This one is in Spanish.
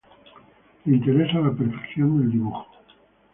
Le interesa la perfección del dibujo.